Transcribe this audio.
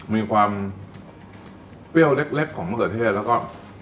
มีความเปรี้ยวเล็กของมะเขือเทศแล้วก็